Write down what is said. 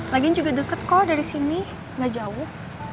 lagian juga deket kok dari sini nggak jauh